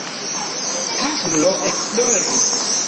Karlo ekploris.